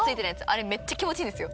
あれめっちゃ気持ちいいですよ。